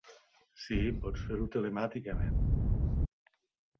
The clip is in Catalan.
Sí, pots fer-ho telemàticament.